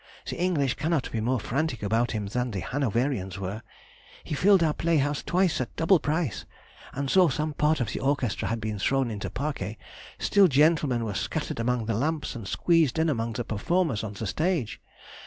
The English cannot be more frantic about him than the Hanoverians were. He filled our play house twice at double price, and though some part of the orchestra had been thrown into parquet, still gentlemen were scattered among the lamps and squeezed in among the performers on the stage.